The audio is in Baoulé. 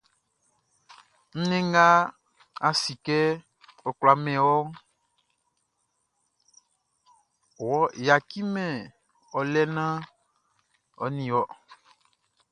Nnɛn nga a si kɛ ɔ kwla min wɔʼn, ɔ yaciman ɔ lɛ naan ɔ ɲin ɔ.